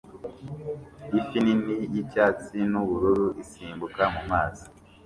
Ifi nini yicyatsi nubururu isimbuka mumazi